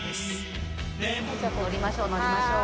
乗りましょう乗りましょう。